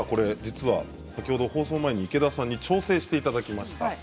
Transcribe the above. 放送前に池田さんに挑戦していただきました。